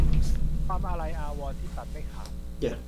ความอาลัยอาวรณ์ที่ตัดไม่ขาด